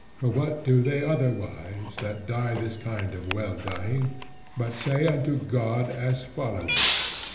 For what do they otherwise, that die this kind of well dying, but say unto God as followeth?